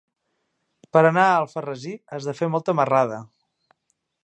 Per anar a Alfarrasí has de fer molta marrada.